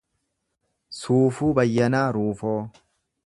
Suufuu Bayyanaa Ruufoo